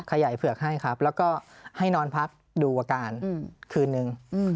เผือกให้ครับแล้วก็ให้นอนพักดูอาการคืนนึง